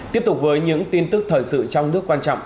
tiếp tục với những tin tức thời sự trong nước quan trọng